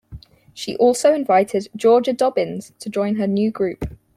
She also invited Georgia Dobbins to join her new group.